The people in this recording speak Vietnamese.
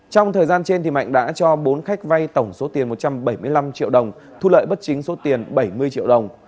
trong thời gian trên mạnh đã cho bốn khách vay tổng số tiền một trăm bảy mươi năm triệu đồng thu lợi bất chính số tiền bảy mươi triệu đồng